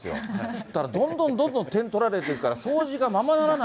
そしたら、どんどんどんどん点取られていくから、掃除がままならない。